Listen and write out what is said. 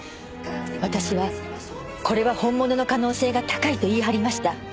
私はこれは本物の可能性が高いと言い張りました。